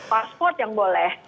passport yang boleh